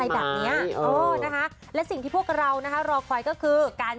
โดยน้องเลไลได้เลขก็คือ๒กับ๓